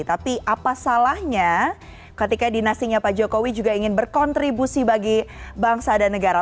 tapi apa salahnya ketika dinastinya pak jokowi juga ingin berkontribusi bagi bangsa dan negara